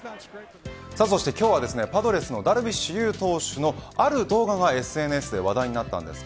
そして今日は、パドレスのダルビッシュ有投手のある動画がＳＮＳで話題になったんです。